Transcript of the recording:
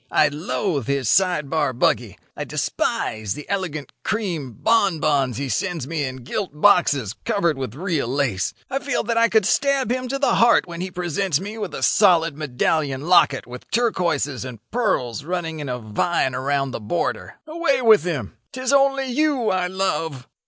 'I loathe his side bar buggy; I despise the elegant cream bonbons he sends me in gilt boxes covered with real lace; I feel that I could stab him to the heart when he presents me with a solid medallion locket with turquoises and pearls running in a vine around the border. Away with him! 'Tis only you I love.